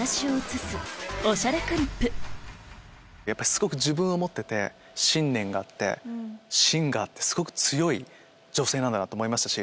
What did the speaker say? すごく自分を持ってて信念があってしんがあって強い女性なんだと思いましたし。